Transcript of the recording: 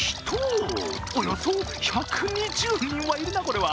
およそ１２０人はいるな、これは。